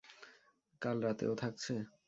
কাল রাতে ও থাকছে?